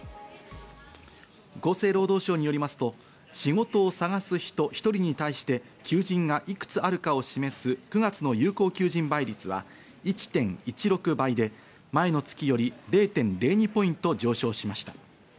厚生労働省によりますと仕事を探す人１人に対して求人がいくつあるかを示す９月の有効求人倍率は１．１６倍で、前の月より０．０２ポイント上昇しました。